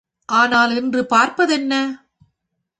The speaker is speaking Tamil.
ஆனால் இன்று பார்ப்பதென்ன?